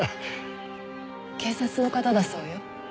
警察の方だそうよ。